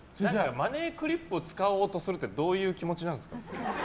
マネークリップを使おうとするってどういう気持ちなんですか？